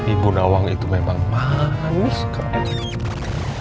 ibu nawang itu memang manis sekali